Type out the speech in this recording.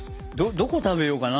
どこ食べようかな。